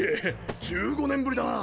１５年振りだなあ。